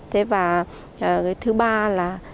thứ ba là